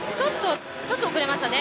ちょっと遅れましたね